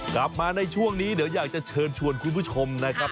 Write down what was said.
กลับมาในช่วงนี้เดี๋ยวอยากจะเชิญชวนคุณผู้ชมนะครับ